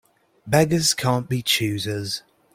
Beggars can't be choosers.